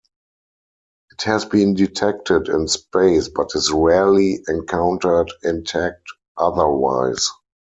It has been detected in space but is rarely encountered intact otherwise.